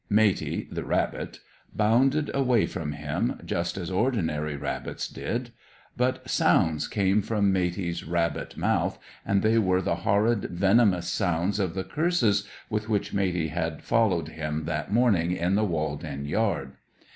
Matey, the rabbit, bounded away from him, just as ordinary rabbits did; but sounds came from Matey's rabbit mouth, and they were the horrid, venomous sounds of the curses with which Matey had followed him that morning in the walled in yard.